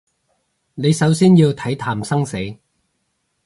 你首先要睇淡生死